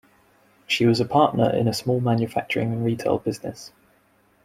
She was a partner in a small manufacturing and retail business.